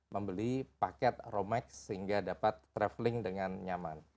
membeli paket romex sehingga dapat travelling dengan nyaman